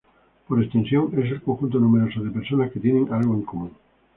Por extensión, es el conjunto numeroso de personas que tienen algo en común.